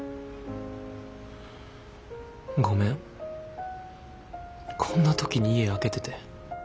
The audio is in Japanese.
ごめんこんな時に家空けてて。